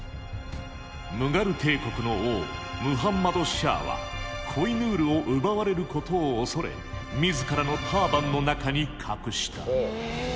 ムガル帝国の王ムハンマド・シャーはコ・イ・ヌールを奪われることを恐れ自らのターバンの中に隠した。